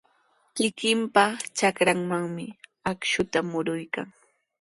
Kikinpa trakrantrawmi akshuta muruykan.